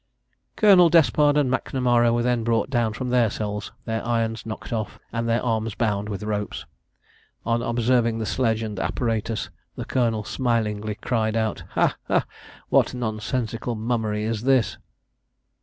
Colonel Despard and Macnamara were then brought down from their cells, their irons knocked off, and their arms bound with ropes. On observing the sledge and apparatus the colonel smilingly cried out, "Ha! ha! what nonsensical mummery is this!"